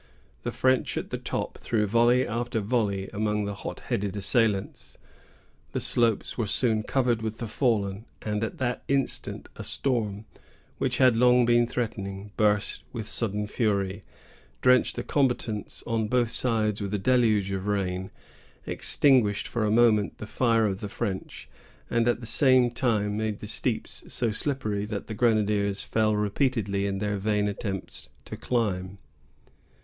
The French at the top threw volley after volley among the hot headed assailants. The slopes were soon covered with the fallen; and at that instant a storm, which had long been threatening, burst with sudden fury, drenched the combatants on both sides with a deluge of rain, extinguished for a moment the fire of the French, and at the same time made the steeps so slippery that the grenadiers fell repeatedly in their vain attempts to climb.